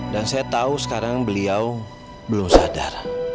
dan saya tahu sekarang beliau belum sadar